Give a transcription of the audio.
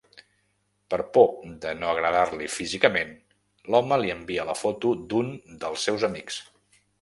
Per por de no agradar-li físicament, l'home li envia la foto d'un dels seus amics.